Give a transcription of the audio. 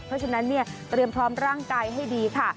เพราะฉะนั้นเนี่ยเตรียมพร้อมร่างกายให้ดีค่ะ